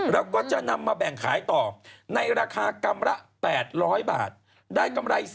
แล้วก็จะนำมาแบ่งขายต่อในราคากรัมละ๘๐๐บาทได้กำไร